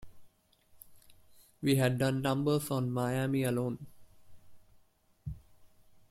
We had done numbers on Miami alone.